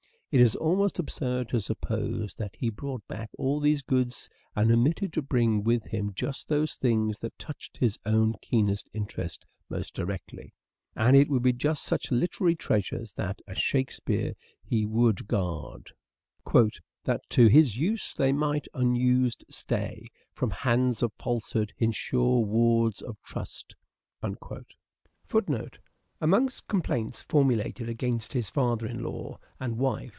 It is almost absurd to suppose that he brought back all these goods and omitted to bring with him just those things that touched his own keenest interest most directly. And it would be just such literary treasures that, as Shakespeare, he would guard :" That to his use they might unused stay From hands of falsehood in sure wards of trust." : Amongst complaints formulated against his father in law and wife.